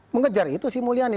mengejar itu sri mulyani